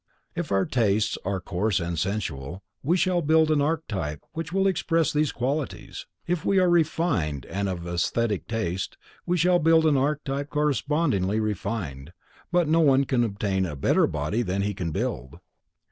If our tastes are coarse and sensual, we shall build an archetype which will express these qualities; if we are refined and of aesthetic taste, we shall build an archetype correspondingly refined, but no one can obtain a better body than he can build.